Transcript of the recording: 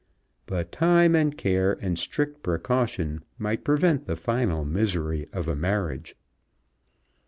But time, and care, and strict precaution might prevent the final misery of a marriage.